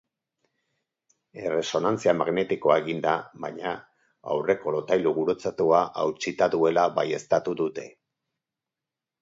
Erresonantzia magnetikoa eginda, baina, aurreko lotailu gurutzatua hautsita duela baieztatu dute.